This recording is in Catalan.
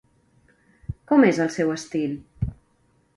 Com és el seu estil?